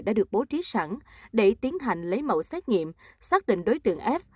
đã được bố trí sẵn để tiến hành lấy mẫu xét nghiệm xác định đối tượng f